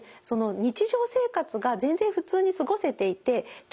日常生活が全然普通に過ごせていてちょっとね